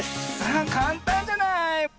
あかんたんじゃない。